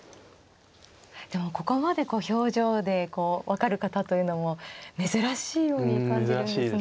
でもここまで表情でこう分かる方というのも珍しいように感じるんですが。